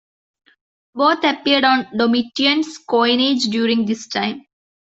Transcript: Both appeared on Domitian's coinage during this time.